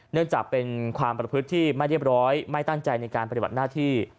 เนื่องจากเป็นความประพฤติที่ไม่เรียบร้อยไม่ตั้งใจในการปฏิบัติหน้าที่